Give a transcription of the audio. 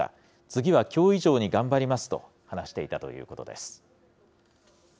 次はきょう以上に頑張りますと話していたということです。